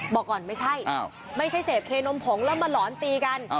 บอกก่อนไม่ใช่ไม่ใช่เสพเคนมผงแล้วมาหลอนตีกัน